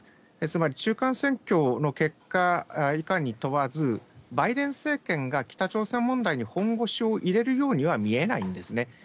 つまり中間選挙の結果いかんに問わず、バイデン政権が北朝鮮問題に本腰を入れるようには見えないんですね。